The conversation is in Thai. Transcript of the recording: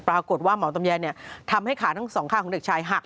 ปรากฏว่าหมอตำแยเนี่ยทำให้ขาทั้งสองข้างของเด็กชายหัก